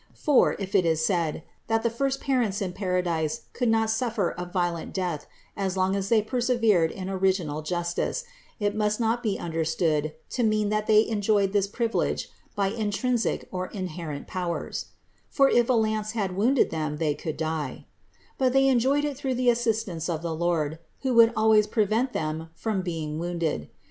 For, if it is said, that the first parents in paradise could not suffer a violent death as long as they persevered in orig inal justice, it must not be understood to mean that they enjoyed this privilege by intrinsic or inherent powers (for if a lance would have wounded them they could die), but they enjoyed it through the assistance of the Lord, who would always prevent them from being wounded.